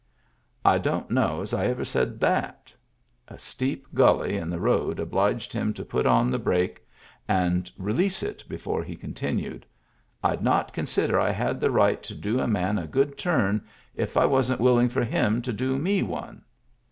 " I don't know as I ever said that" A steep gulley in the road obliged him to put on the break and release it before he continued :" I'd not consider I had the right to do a man a good turn if I wasn't willing for him to do me one."